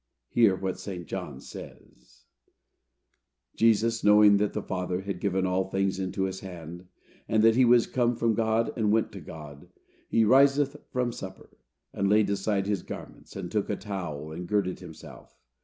Hear what St. John says: "Jesus knowing that the Father had given all things into his hands, and that he was come from God and went to God, he riseth from supper, and laid aside his garments, and took a towel and girded himself.